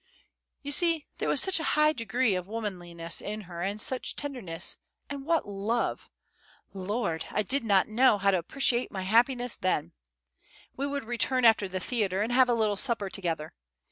"You see, there was such high degree of womanliness in her, and such tenderness, and what love! Lord! I did not know how to appreciate my happiness then. We would return after the theatre, and have a little supper together.